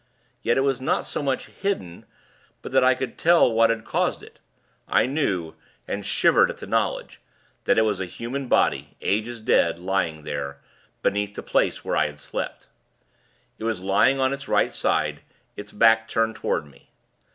Yet it was not so much hidden, but that I could tell what had caused it. I knew and shivered at the knowledge that it was a human body, ages dead, lying there, beneath the place where I had slept. It was lying on its right side, its back turned toward me.